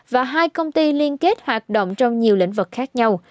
và hai công ty liên kết hoạt động trong nhiều lĩnh vực khác nhau